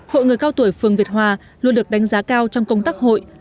hội người cao tuổi phường việt hòa luôn được đánh giá cao trong công tác hội